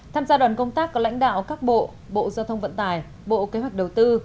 tham gia đoàn công tác có lãnh đạo các bộ bộ giao thông vận tải bộ kế hoạch đầu tư